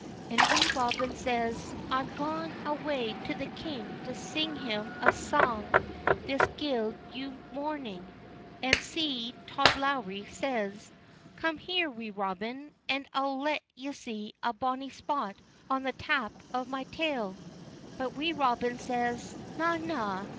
And Wee Robin says: "I'm gaun awa' to the king to sing him a sang this guid Yule morning." And slee Tod Lowrie says: "Come here, Wee Robin, and I'll let ye see a bonny spot on the tap o' my tail." But Wee Robin says: "Na, na!